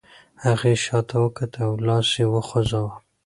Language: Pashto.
هغې شاته وکتل او لاس یې وخوځاوه.